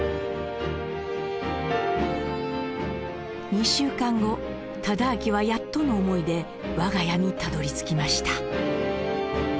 ２週間後忠亮はやっとの思いで我が家にたどりつきました。